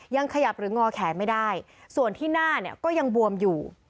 ยังขยับหรืองอแขนไม่ได้ส่วนที่หน้าเนี่ยก็ยังบวมอยู่